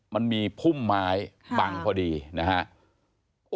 มันมีพุ่มไม้บังพอดีนะครับ